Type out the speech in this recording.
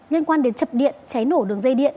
liên quan đến chập điện cháy nổ đường dây điện